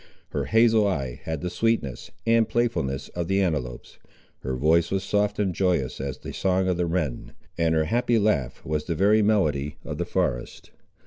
Her hazel eye had the sweetness and playfulness of the antelope's; her voice was soft and joyous as the song of the wren, and her happy laugh was the very melody of the forest.